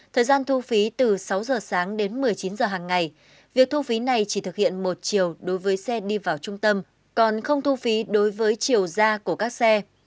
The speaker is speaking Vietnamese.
thời gian thu phí từ sáu giờ sáng đến một mươi chín giờ hàng ngày việc thu phí này chỉ thực hiện một chiều đối với xe đi vào trung tâm còn không thu phí đối với chiều ra của các xe